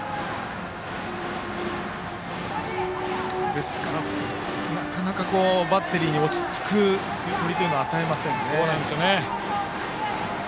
ですから、なかなかバッテリーに落ち着くゆとりを与えませんね。